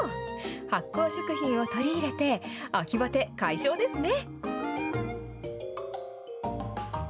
発酵食品を取り入れて、秋バテ解消ですね。